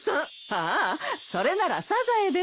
ああそれならサザエです。